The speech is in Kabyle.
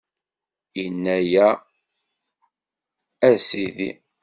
Inna-a: A Sidi!